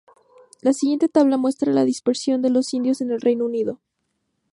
La siguiente tabla muestra la dispersión de los indios en el Reino Unido.